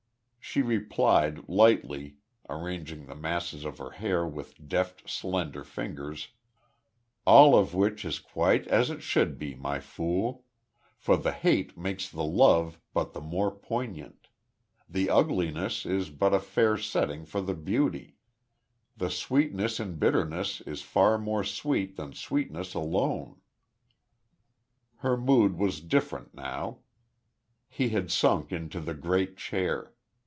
She replied, lightly, arranging the masses of her hair with deft, slender fingers: "All of which is quite as it should be, My Fool; for the hate makes the love but the more poignant; the ugliness is but a fair setting for the beauty; and sweetness in bitterness is far more sweet than sweetness alone." Her mood was different now. He had sunk into the great chair.